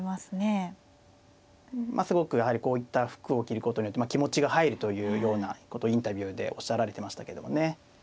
まあすごくやはりこういった服を着ることによって気持ちが入るというようなことをインタビューでおっしゃられてましたけどもね。